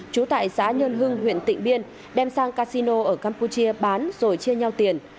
trú tại xã nhân hưng huyện tịnh biên đem sang casino ở campuchia bán rồi chia nhau tiền